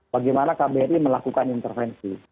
bagaimana kbri melakukan intervensi